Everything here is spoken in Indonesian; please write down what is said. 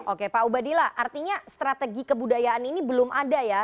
oke pak ubadillah artinya strategi kebudayaan ini belum ada ya